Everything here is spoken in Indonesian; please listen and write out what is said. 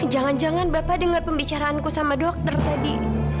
jangan jangan bapak dengar pembicaraanku sama dokter tadi